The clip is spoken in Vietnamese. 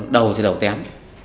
đầu thì đều tém